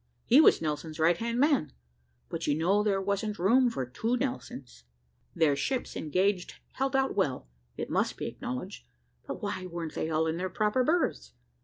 He was Nelson's right hand man; but you know there wasn't room for two Nelsons. Their ships engaged held out well, it must be acknowledged, but why wer'n't they all in their proper berths?